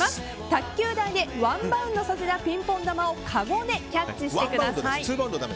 卓球台でワンバウンドさせたピンポン球をかごでキャッチしてください。